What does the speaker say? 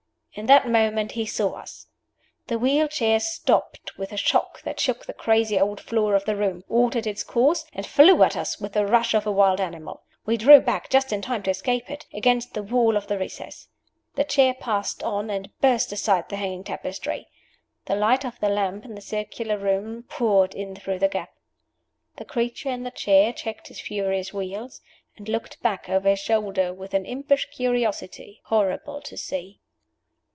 In that moment he saw us! The wheel chair stopped with a shock that shook the crazy old floor of the room, altered its course, and flew at us with the rush of a wild animal. We drew back, just in time to escape it, against the wall of the recess. The chair passed on, and burst aside the hanging tapestry. The light of the lamp in the circular room poured in through the gap. The creature in the chair checked his furious wheels, and looked back over his shoulder with an impish curiosity horrible to see.